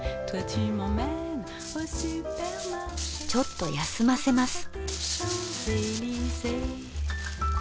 ちょっと休ませます。